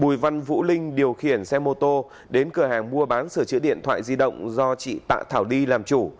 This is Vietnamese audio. bùi văn vũ linh điều khiển xe mô tô đến cửa hàng mua bán sửa chữa điện thoại di động do chị tạ thảo đi làm chủ